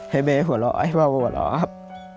ให้แม่หัวเราะให้พ่อพ่อหัวเราะครับ